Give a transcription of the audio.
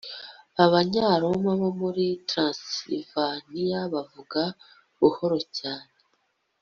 abanyaroma bo muri transylvania bavuga buhoro cyane